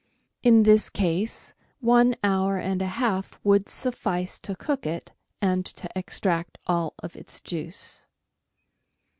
In this case one hour and a half would suffice to cook it and to extract all its juice.